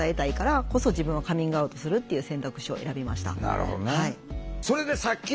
なるほどね。